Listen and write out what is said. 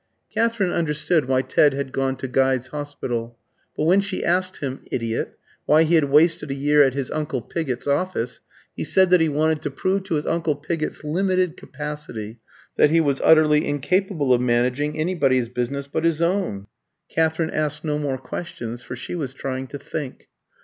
Katherine understood why Ted had gone to Guy's Hospital; but when she asked him idiot! why he had wasted a year at his uncle Pigott's office, he said that he wanted to prove to his uncle Pigott's limited capacity that he was utterly incapable of managing anybody's business but his own. Katherine asked no more questions, for she was trying to think.